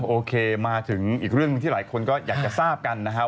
โอเคมาถึงอีกเรื่องหนึ่งที่หลายคนก็อยากจะทราบกันนะครับ